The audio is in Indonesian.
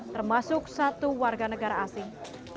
termasuk satu warga negara asing